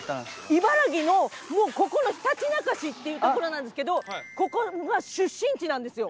茨城のもうここのひたちなか市っていう所なんですけどここが出身地なんですよ。